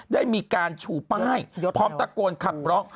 ได้มีการชูป้ายพร้อมตะโกนขับร้อง